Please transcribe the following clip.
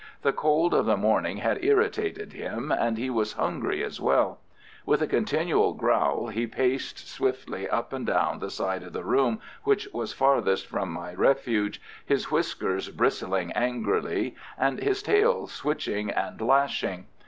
The cold of the morning had irritated him, and he was hungry as well. With a continual growl he paced swiftly up and down the side of the room which was farthest from my refuge, his whiskers bristling angrily, and his tail switching and lashing.